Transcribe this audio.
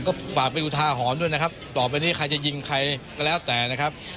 ก็ฝากเป็นอุทาหรณ์ด้วยนะครับต่อไปนี้ใครจะยิงใครก็แล้วแต่นะครับ